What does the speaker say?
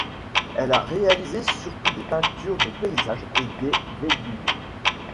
Elle a réalisé surtout des peintures de paysages et des vedute.